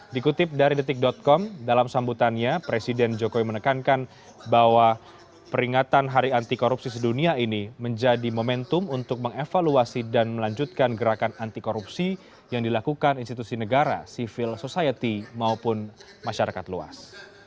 dikutip dari detik com dalam sambutannya presiden jokowi menekankan bahwa peringatan hari anti korupsi sedunia ini menjadi momentum untuk mengevaluasi dan melanjutkan gerakan anti korupsi yang dilakukan institusi negara civil society maupun masyarakat luas